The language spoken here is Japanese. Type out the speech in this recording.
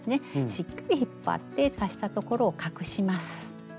しっかり引っ張って足したところを隠します。